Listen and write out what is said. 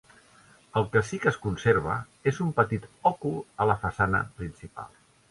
El que sí que es conserva és un petit òcul a la façana principal.